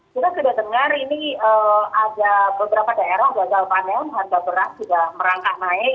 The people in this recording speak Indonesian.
kita sudah dengar ini ada beberapa daerah gagal panen harga beras sudah merangkak naik